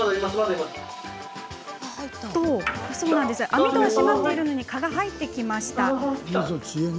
網戸は閉まっているのに蚊が入ってきました。